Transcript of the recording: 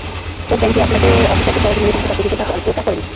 ও ব্যাংকেই আপনাদের অফিসারকে সহজে মেরে ফেলতে পারতো কিন্তু ও তা করেনি।